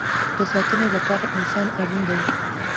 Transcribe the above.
د ساتنې لپاره انسان اړین دی